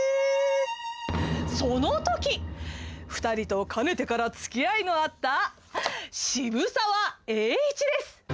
そのとき、２人とかねてから付き合いのあった渋沢栄一です。